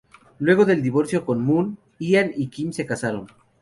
Luego del divorcio con Moon, Ian y Kim se casaron.